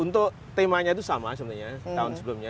untuk temanya itu sama sebenarnya tahun sebelumnya